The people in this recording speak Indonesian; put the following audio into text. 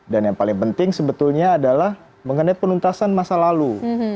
dan yang paling penting sebetulnya adalah mengenai penuntasan masa lalu